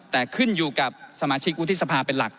แต่ขึ้นอยู่กับสมาชิกวุฒิสภาเป็นหลัก